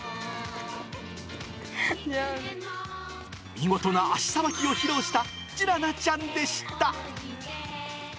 見事な足さばきを披露したじゅらなちゃんでした。